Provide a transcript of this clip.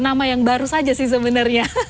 nama yang baru saja sih sebenarnya